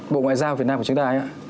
bộ ngoại giao việt nam của chúng ta ấy